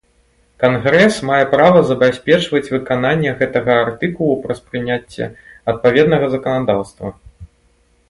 Кангрэс мае права забяспечваць выкананне гэтага артыкулу праз прыняцце адпаведнага заканадаўства.